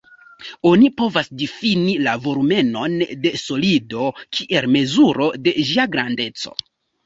Oni povas difini la volumenon de solido kiel mezuro de ĝia grandeco.